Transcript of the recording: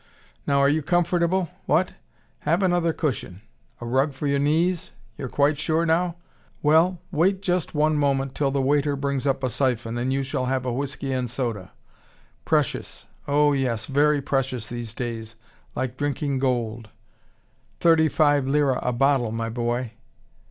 Now are you comfortable? What? Have another cushion? A rug for your knees? You're quite sure now? Well, wait just one moment till the waiter brings up a syphon, and you shall have a whiskey and soda. Precious oh, yes, very precious these days like drinking gold. Thirty five lire a bottle, my boy!"